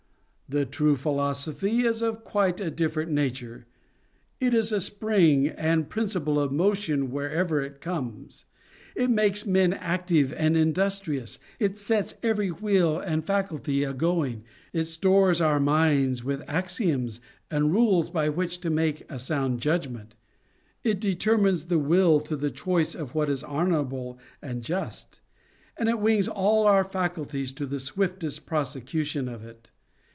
The true philosophy is of a quite different nature ; it is a spring and principle of motion wherever it comes ; it makes men active and industrious, it sets every wheel and faculty a going, it stores our minds with axioms and rules by which to make a sound judgment, it determines the will to the choice of what is honorable and just ; and it wings all our faculties to the swiftest prosecution of it.